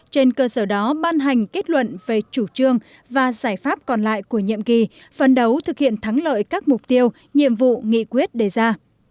trên cơ sở đó ban hành kết luận về chủ trương và giải pháp còn lại của nhiệm kỳ phân đấu thực hiện thắng lợi các mục tiêu nhiệm vụ nghị quyết đề ra